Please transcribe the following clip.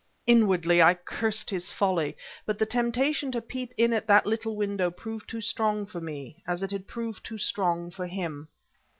Inwardly I cursed his folly, but the temptation to peep in at that little window proved too strong for me, as it had proved too strong for him.